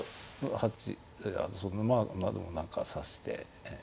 まあまあでも何か指してええ